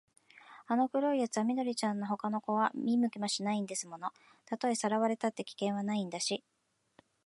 あの黒いやつは緑ちゃんのほかの子は見向きもしないんですもの。たとえさらわれたって、危険はないんだし、